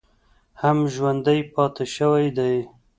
هم ژوندی پاتې شوی دی